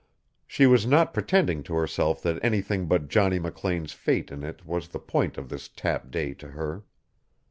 She was not pretending to herself that anything but Johnny McLean's fate in it was the point of this Tap Day to her.